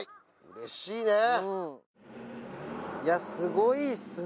嬉しいねすごいっすね